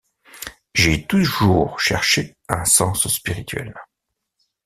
J'ai toujours cherché un sens spirituel.